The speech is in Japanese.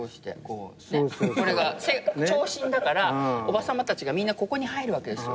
ねっこれが長身だからおばさまたちがみんなここに入るわけですよ。